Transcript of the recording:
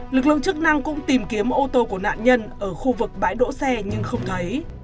lực lượng chức năng cũng tìm kiếm ô tô của nạn nhân ở khu vực bãi đỗ xe nhưng không thấy